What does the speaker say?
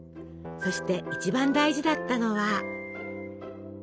そして一番大事だったのは。